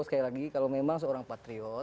sekali lagi kalau memang seorang patriot